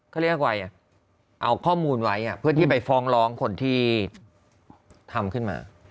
เขาเรียกอะไรเอาข้อมูลไว้เพื่อที่ไปฟ้องร้องคนที่ทำขึ้นมา